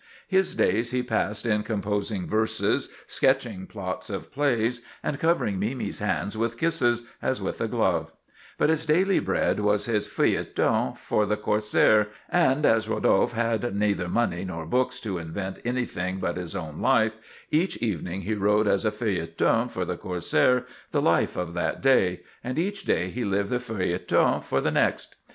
His days he passed in composing verses, sketching plots of plays, and covering Mimi's hands with kisses as with a glove; but his daily bread was his feuilleton for the 'Corsaire,' and as Rodolphe had neither money nor books to invent anything but his own life, each evening he wrote as a feuilleton for the 'Corsaire' the life of that day, and each day he lived the feuilleton for the next.